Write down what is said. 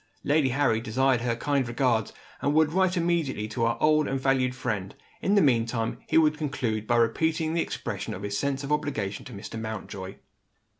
Lady Harry desired her kind regards, and would write immediately to her old and valued friend. In the meantime, he would conclude by repeating the expression of his sense of obligation to Mr. Mountjoy.